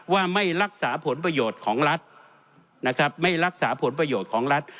ว่าไม่รักษาผลประโยชน์ของรัฐนะครับไม่รักษาผลประโยชน์ของรัฐ